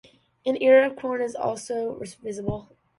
An ear of corn is also visible.